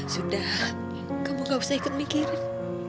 sudah kamu gak usah ikut mikirin